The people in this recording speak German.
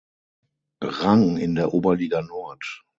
Rang in der Oberliga Nord.